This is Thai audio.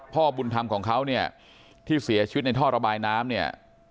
พ่อบุญธรรมของเขาเนี่ยที่เสียชีวิตในท่อระบายน้ำเนี่ย